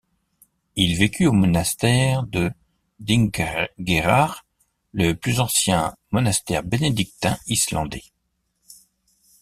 Il vécut au monastère de Þingeyrar, le plus ancien monastère bénédictin islandais.